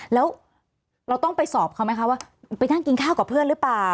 แล้วเราต้องไปสอบเขาไหมคะว่าไปนั่งกินข้าวกับเพื่อนหรือเปล่า